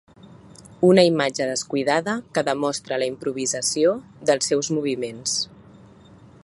Una imatge descuidada que demostra la improvisació dels seus moviments.